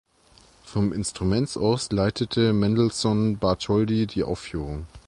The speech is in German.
Vom Instrument aus leitete Mendelssohn Bartholdy die Aufführung.